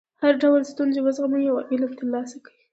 هر ډول ستونزې وزغمئ او علم ترلاسه کړئ.